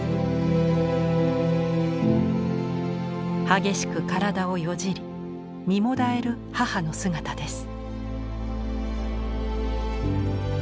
激しく体をよじり身もだえる母の姿です。